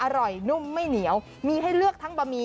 นุ่มไม่เหนียวมีให้เลือกทั้งบะหมี่